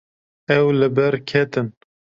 Ew li ber ketin.